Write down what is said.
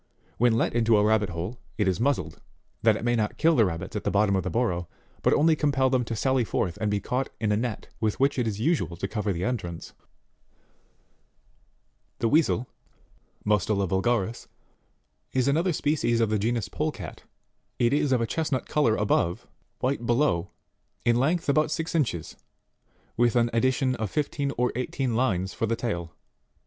When let into a rabbit hole, it is muzzled, that it may not kill the rabbits at the bottom of the burrow, but only compel them to sally forth and be caught in a net with which it is usual to cover the entrance. 21. The Weasel MrtslelaVulyaris, is another species of the genus Polecat ; it is of a chestnut colour above, white below, in length about six inches, with an addition of fifteen or eighteen lines ior the tail.